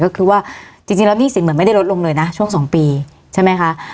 ก็คือว่าจริงแล้วหนี้สินเหมือนไม่ได้ลดลงเลยนะช่วง๒ปีใช่ไหมคะ